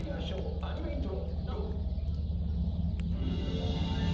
アニメイントロ。